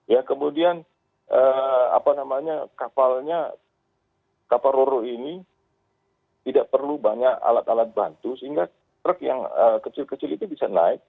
ya kemudian apa namanya kapalnya kapal roro ini tidak perlu banyak alat alat bantu sehingga truk yang kecil kecil itu bisa naik